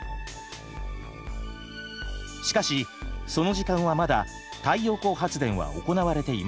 しかしその時間はまだ太陽光発電は行われていません。